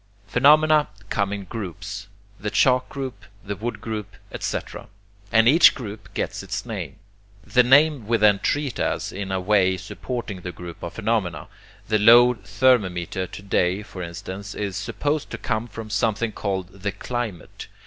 Phenomena come in groups the chalk group, the wood group, etc. and each group gets its name. The name we then treat as in a way supporting the group of phenomena. The low thermometer to day, for instance, is supposed to come from something called the 'climate.'